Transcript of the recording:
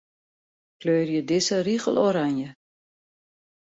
Kleurje dizze rigel oranje.